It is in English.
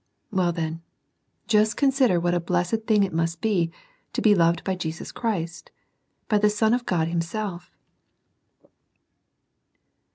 Well, then, just consider what a blessed thing it must be to be loved by Jesus Christ, — ^by the Son of God Himself.